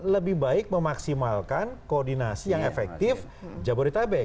lebih baik memaksimalkan koordinasi yang efektif jabodetabek